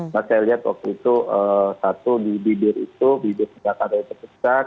saya lihat waktu itu satu di bibir itu bibir belakang dari tetesan